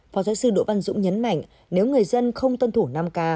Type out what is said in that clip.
phó giáo sư đỗ văn dũng nhấn mạnh nếu người dân không tuân thủ năm k